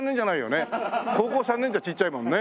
高校３年じゃちっちゃいもんね。